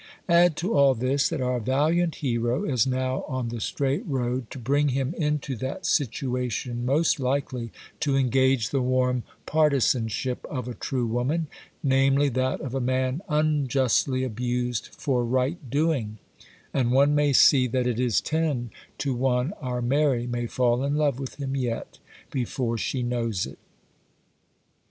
Add to all this, that our valiant hero is now on the straight road to bring him into that situation most likely to engage the warm partisanship of a true woman,—namely, that of a man unjustly abused for right doing,—and one may see that it is ten to one our Mary may fall in love with him yet, before she knows it.